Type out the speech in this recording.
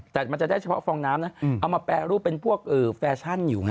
แต่มันจะได้เฉพาะฟองน้ำนะเอามาแปรรูปเป็นพวกแฟชั่นอยู่ไง